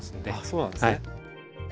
そうなんですね。